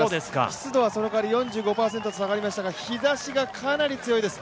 湿度はその代わり４５％と下がりましたが、日ざしがかなり強いです